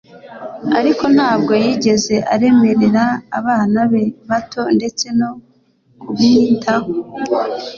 ariko ntabwo yigeze aremerera abana be bato ndetse no kumwitaho